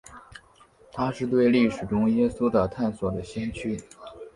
他是对历史中耶稣的探索的先驱。